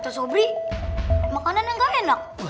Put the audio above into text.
kata sobri makanan yang gak enak